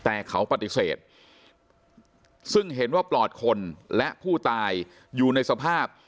แต่เขาปฏิเสธซึ่งเห็นว่าปลอดคนและผู้ตายอยู่ในสภาพ